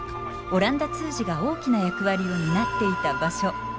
オランダ通詞が大きな役割を担っていた場所